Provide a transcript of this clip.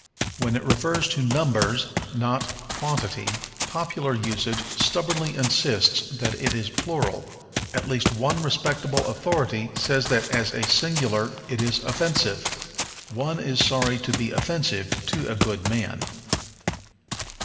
When it refers to numbers, not quantity, popular usage stubbornly insists that it is plural, and at least one respectable authority says that as a singular it is offensive. One is sorry to be offensive to a good man.